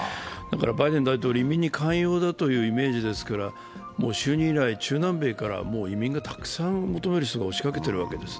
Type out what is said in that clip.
バイデン大統領は移民に寛容だというイメージですから、就任以来、中南米からたくさん移民を求める人が押しかけているんです。